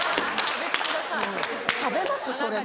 食べますそれは。